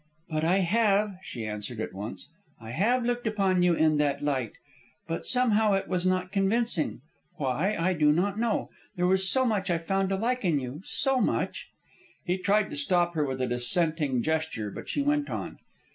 "But I have," she answered at once. "I have looked upon you in that light, but somehow it was not convincing. Why, I do not know. There was so much I found to like in you, so much " He tried to stop her with a dissenting gesture, but she went on.